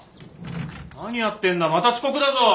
何やってんだまた遅刻だぞ！